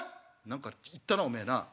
「何か言ったなおめえな。